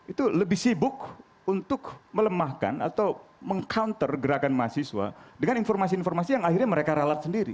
itu lebih sibuk untuk melemahkan atau meng counter gerakan mahasiswa dengan informasi informasi yang akhirnya mereka ralat sendiri